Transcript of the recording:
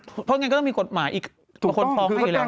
เพราะอย่างนั้นก็ต้องมีกฎหมายอีกทุกคนพร้อมให้อยู่แล้ว